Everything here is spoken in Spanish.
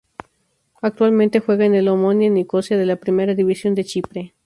Actualmente juega en el Omonia Nicosia de la Primera División de Chipre.